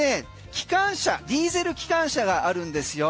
機関車ディーゼル機関車があるんです。